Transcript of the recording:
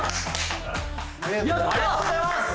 ありがとうございます。